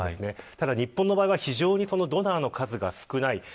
ただ、日本の場合は非常にドナーの数が少ない。